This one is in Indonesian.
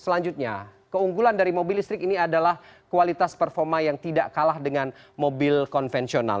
selanjutnya keunggulan dari mobil listrik ini adalah kualitas performa yang tidak kalah dengan mobil konvensional